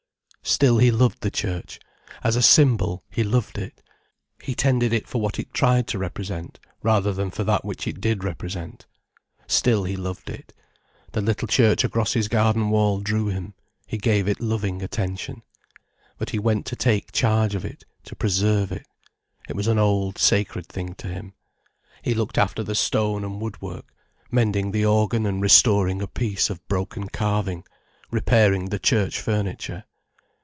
Still he loved the Church. As a symbol, he loved it. He tended it for what it tried to represent, rather than for that which it did represent. Still he loved it. The little church across his garden wall drew him, he gave it loving attention. But he went to take charge of it, to preserve it. It was as an old, sacred thing to him. He looked after the stone and woodwork, mending the organ and restoring a piece of broken carving, repairing the church furniture.